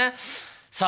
さあ